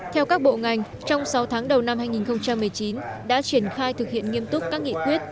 theo các bộ ngành trong sáu tháng đầu năm hai nghìn một mươi chín đã triển khai thực hiện nghiêm túc các nghị quyết